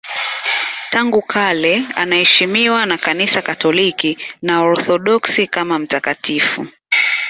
Tangu kale anaheshimiwa na Kanisa Katoliki na Waorthodoksi kama mtakatifu.